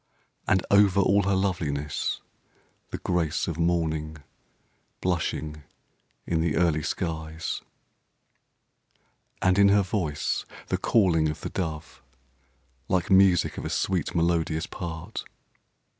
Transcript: And over all her loveliness, the grace Of Morning blushing in the early skies. And in her voice, the calling of the dove; Like music of a sweet, melodious part.